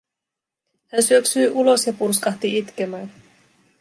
Hän syöksyi ulos ja purskahti itkemään.